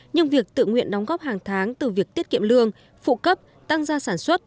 nhưng việc tự nguyện đóng góp hàng tháng từ việc tiết kiệm lương phụ cấp tăng gia sản xuất